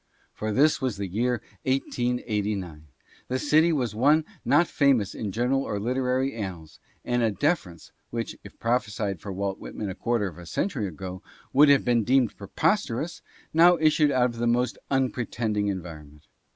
For this was the year 1889, the city was one not famous in general or literary an nals, and a deference, which, if prophesied for Walt Whitman a quarter of a century ago, would have been deemed preposter ous, now issued out of the most unpretending environment.